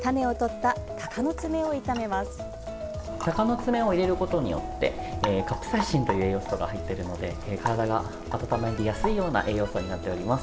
たかのつめを入れることによってカプサイシンという栄養素が入ってるので体が温まりやすいような栄養素になっております。